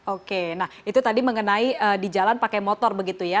oke nah itu tadi mengenai di jalan pakai motor begitu ya